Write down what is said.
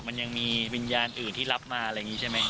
มันยังมีวิญญาณอื่นที่รับมาอะไรอย่างนี้ใช่ไหม